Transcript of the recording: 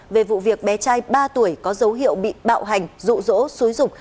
về vụ việc bé trai ba tuổi có dấu hiệu bị bạo hành rụ rỗ xúi rục